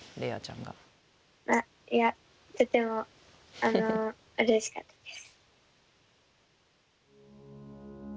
あっいやとてもうれしかったです。